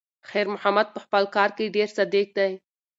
خیر محمد په خپل کار کې ډېر صادق دی.